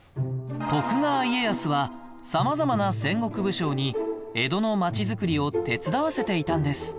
徳川家康は様々な戦国武将に江戸のまちづくりを手伝わせていたんです